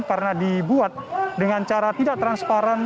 karena dibuat dengan cara tidak transparan